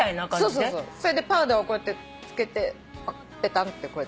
そうそうそうそれでパウダーをこうやって付けてペタンってこうやって。